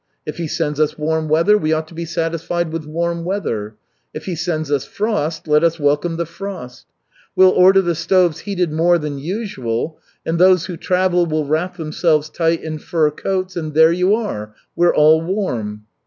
If He sends us warm weather, we ought to be satisfied with warm weather; if He send us frost, let us welcome the frost. We'll order the stoves heated more than usual, and those who travel will wrap themselves tight in fur coats, and there you are we're all warm."